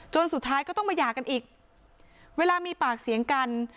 สุดท้ายก็ต้องมาหย่ากันอีกเวลามีปากเสียงกัน